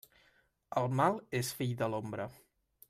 El mal és fill de l'ombra.